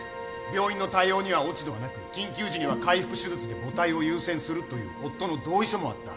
病院の対応には落ち度はなく緊急時には開腹手術で母体を優先するという夫の同意書もあった。